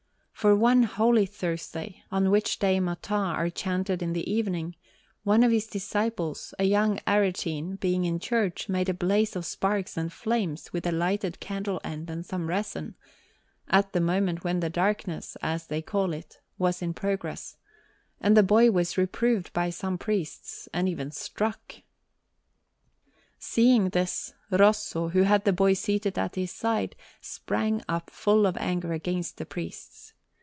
For one Holy Thursday, on which day matins are chanted in the evening, one of his disciples, a young Aretine, being in church, made a blaze of sparks and flames with a lighted candle end and some resin, at the moment when the "darkness," as they call it, was in progress; and the boy was reproved by some priests, and even struck. Seeing this, Rosso, who had the boy seated at his side, sprang up full of anger against the priests.